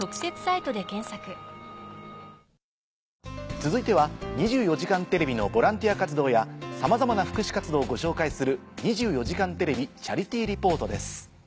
続いては『２４時間テレビ』のボランティア活動やさまざまな福祉活動をご紹介する。